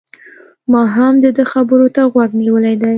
ما هم د ده و خبرو ته غوږ نيولی دی